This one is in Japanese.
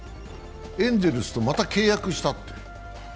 エンゼルスとまた契約したって。